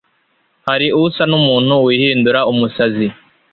Hari usa n’umuntu wihindura umusazi